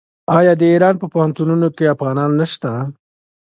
آیا د ایران په پوهنتونونو کې افغانان نشته؟